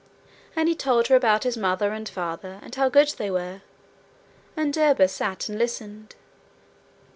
And he told her about his mother and father, and how good they were. And Derba sat and listened.